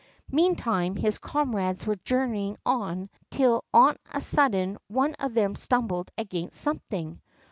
Meantime his comrades were journeying on, till on a sudden one of them stumbled against something.